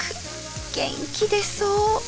元気出そう。